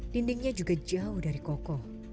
dindingnya juga jauh dari kokoh